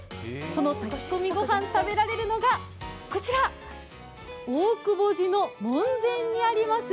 その炊き込みご飯、食べられるのがこちら、大窪寺の門前にあります